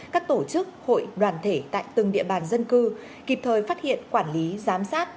các tổ chức hội đoàn thể tại từng địa bàn dân cư kịp thời phát hiện quản lý giám sát